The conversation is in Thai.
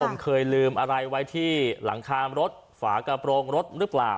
ผมเคยลืมอะไรไว้ที่หลังคารถฝากระโปรงรถหรือเปล่า